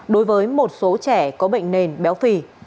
đối với một số trẻ có bệnh nền béo phì